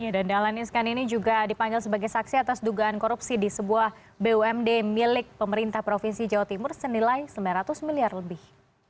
dahlan iskan ini juga dipanggil sebagai saksi atas dugaan korupsi di sebuah bumd milik pemerintah provinsi jawa timur senilai sembilan ratus miliar lebih